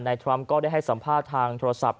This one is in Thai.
ทรัมป์ก็ได้ให้สัมภาษณ์ทางโทรศัพท์